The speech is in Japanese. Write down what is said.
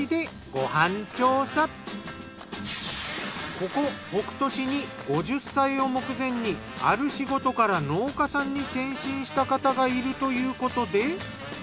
ここ北杜市に５０歳を目前にある仕事から農家さんに転身した方がいるということで。